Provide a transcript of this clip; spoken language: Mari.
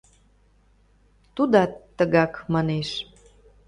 Тудат тыгак манеш.